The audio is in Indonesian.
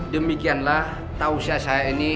demikianlah tausya saya ini